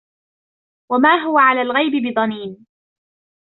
وما هو على الغيب بضنين